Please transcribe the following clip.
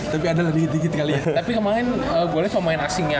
tapi kemarin gue lagi mau main asingnya